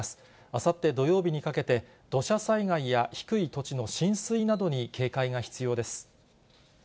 あさって土曜日にかけて、土砂災害や低い土地の浸水などに警戒が必要です。